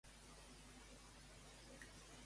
Què és un besllum?